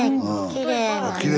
きれいね。